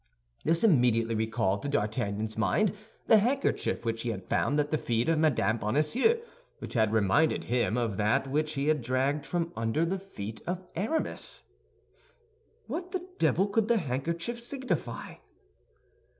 This immediately recalled to D'Artagnan's mind the handkerchief which he had found at the feet of Mme. Bonacieux, which had reminded him of that which he had dragged from under the feet of Aramis. "What the devil could that handkerchief signify?"